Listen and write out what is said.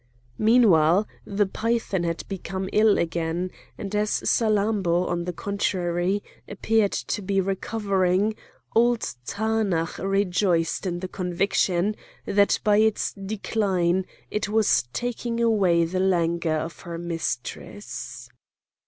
Meanwhile the python had become ill again; and as Salammbô, on the contrary, appeared to be recovering, old Taanach rejoiced in the conviction that by its decline it was taking away the languor of her mistress.